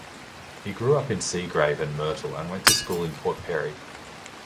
He grew up in Seagrave and Myrtle and went to school in Port Perry.